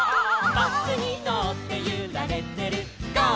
「バスにのってゆられてるゴー！